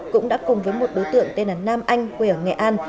cũng đã cùng với một đối tượng tên là nam anh quê ở nghệ an